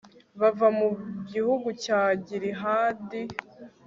bava mu gihugu cya gilihadi